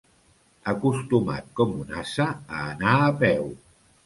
Acostumat com un ase a anar a peu.